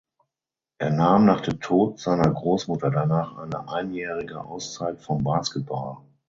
Er nahm nach dem Tod seiner Großmutter danach eine einjährige Auszeit vom Basketball.